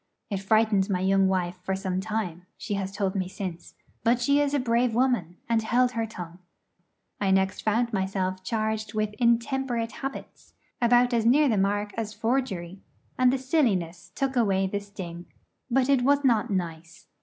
It frightened my young wife for some time, she has told me since; but she is a brave woman, and held her tongue. I next found myself charged with 'intemperate habits' about as near the mark as forgery; and the silliness took away the sting. But it was not nice.